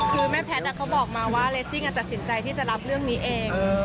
คือแม่แพทย์เขาบอกมาว่าเลสซิ่งตัดสินใจที่จะรับเรื่องนี้เอง